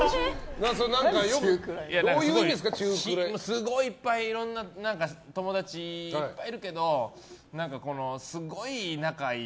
すごいいっぱいいろんな友達いっぱいいるけど何かすごい仲いい